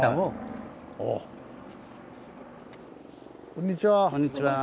こんにちは。